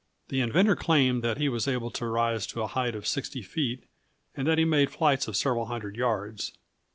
The inventor claimed that he was able to rise to a height of 60 feet, and that he made flights of several hundred yards.